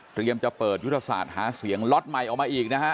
จะเปิดยุทธศาสตร์หาเสียงล็อตใหม่ออกมาอีกนะฮะ